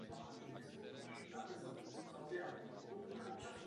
Okvětí jsou zelené barvy.